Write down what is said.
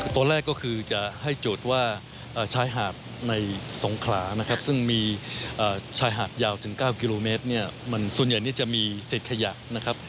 ตัวแรกก็คือจะให้โจทย์ว่าชายหาดในสงขลาซึ่งมีชายหาดยาวถึง๙กิโลเมตรส่วนใหญ่จะมีเศษขยะ